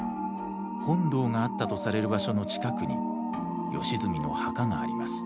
本堂があったとされる場所の近くに義澄の墓があります。